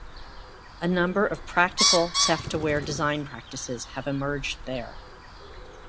A number of practical theft-aware design practices have emerged there.